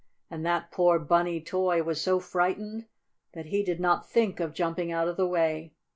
And that poor Bunny toy was so frightened that he did not think of jumping out of the way.